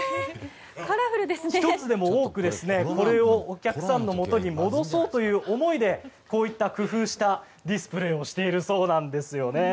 １つでも多くこれをお客さんのもとに戻そうという思いでこういった工夫したディスプレーをしているそうなんです。